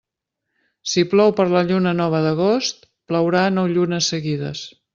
Si plou per la lluna nova d'agost, plourà nou llunes seguides.